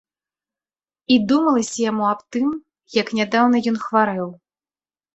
І думалася яму аб тым, як нядаўна ён хварэў.